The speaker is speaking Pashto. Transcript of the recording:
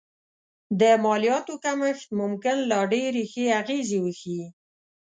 د مالیاتو کمښت ممکن لا ډېرې ښې اغېزې وښيي